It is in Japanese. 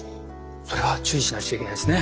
それは注意しなくちゃいけないですね。